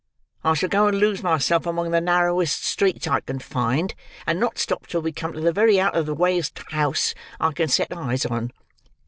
I shall go and lose myself among the narrowest streets I can find, and not stop till we come to the very out of the wayest house I can set eyes on.